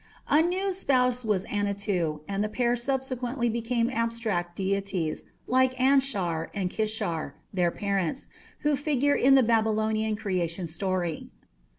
Anu's spouse was Anatu, and the pair subsequently became abstract deities, like Anshar and Kishar, their parents, who figure in the Babylonian Creation story.